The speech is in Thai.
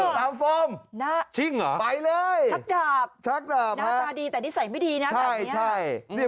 ตามฟองไปเลยชักดาบหน้าตาดีแต่นิสัยไม่ดีนะแบบนี้